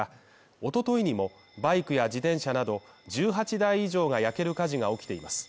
おとといにも、バイクや自転車など１８台以上が焼ける火事が起きています。